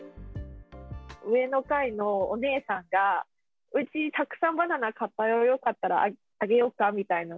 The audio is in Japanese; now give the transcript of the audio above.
上の階のお姉さんが、うち、たくさんバナナ買ったよ、よかったらあげよっかみたいな。